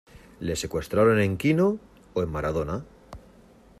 ¿Le secuestraron en Quino o en Maradona?